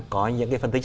có những cái phân tích